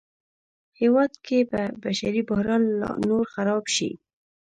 هېواد کې به بشري بحران لا نور خراب شي